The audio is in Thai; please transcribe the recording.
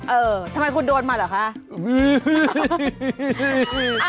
เออทำไมคุณโดนมาเหรอคะ